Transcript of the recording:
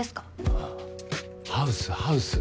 あぁハウスハウス